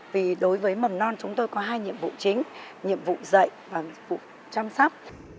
vì đối với mầm non chúng tôi có hai nhiệm vụ chính nhiệm vụ dạy và nhiệm vụ chăm sóc